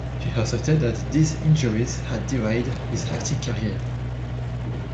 He asserted that these injuries had derailed his acting career.